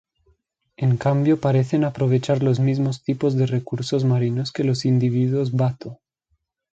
En cambio parecen aprovechar los mismos tipos de recursos marinos que los individuos Bato.